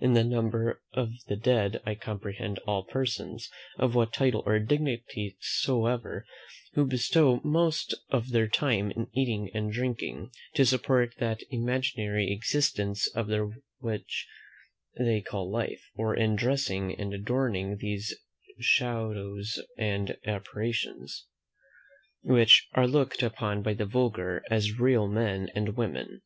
In the number of the dead I comprehend all persons, of what title or dignity soever, who bestow most of their time in eating and drinking, to support that imaginary existence of theirs which they call life; or in dressing and adorning those shadows and apparitions, which are looked upon by the vulgar as real men and women.